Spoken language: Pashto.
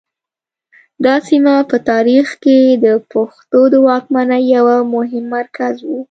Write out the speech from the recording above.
دا سیمه په تاریخ کې د پښتنو د واکمنۍ یو مهم مرکز و